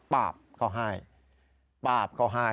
ป้าบก็ไห้ป้าบก็ไห้